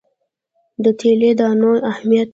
د تیلي دانو اهمیت.